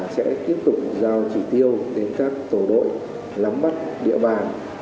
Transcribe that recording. sẽ tiếp tục giao chỉ tiêu đến các tổ đội lắm mắt địa bàn